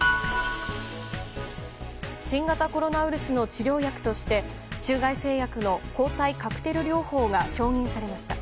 新型コロナウイルスの治療薬として中外製薬の抗体カクテル療法が承認されました。